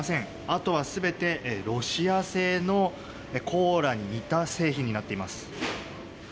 あとは全てロシア製のコーラに似た製品になっています。